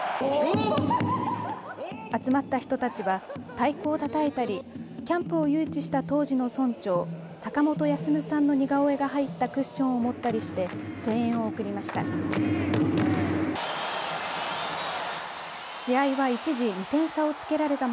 集まった人たちは太鼓をたたいたりキャンプを誘致した当時の村長坂本休さんの似顔絵が入ったクッションを持ったりして声援を送りました。